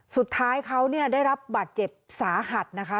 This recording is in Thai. สุดท้ายเขาเนี่ยได้รับบาดเจ็บสาหัสนะคะ